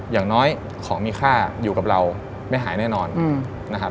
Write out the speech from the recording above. อย่างน้อยของมีค่าอยู่กับเราไม่หายแน่นอนนะครับ